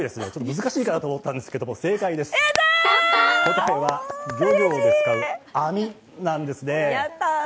難しいかなと思ったんですけど正解です、答えは漁業で使う網なんですね。